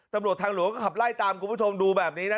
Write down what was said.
ตำรวจทางหลวงก็ขับไล่ตามคุณผู้ชมดูแบบนี้นะ